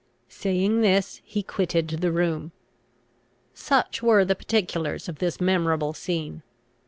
Saying this he quitted the room. Such were the particulars of this memorable scene.